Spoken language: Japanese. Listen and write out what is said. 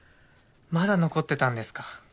まだ残ってたんですか。